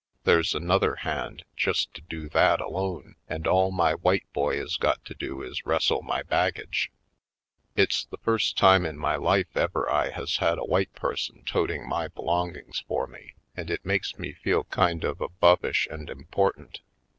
There's another hand just to do that alone and all my white boy is got to do is wrestle my baggage. It's the first time in my life ever I has had a white person toting my be longings for me and it makes me feel kind Manhattan Isle 45 of abovish and important.